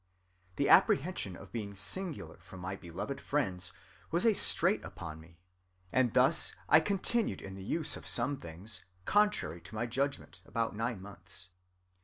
The apprehension of being singular from my beloved friends was a strait upon me; and thus I continued in the use of some things, contrary to my judgment, about nine months.